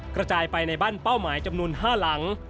กระจายไปในบ้านเป้าหมายจำนวน๕หลัง